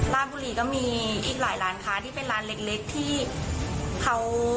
ราชบุรีก็มีอีกหลายร้านค้าที่เป็นร้านเล็กที่เขา